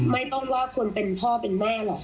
ไม่ต้องว่าคนเป็นพ่อเป็นแม่หรอก